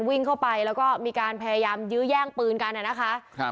วิ่งเข้าไปแล้วก็มีการพยายามยื้อแย่งปืนกันนะคะ